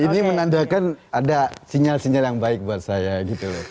ini menandakan ada sinyal sinyal yang baik buat saya gitu loh